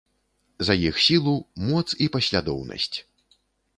За іх сілу, моц і паслядоўнасць.